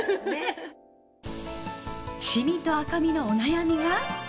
シミと赤みのお悩みが。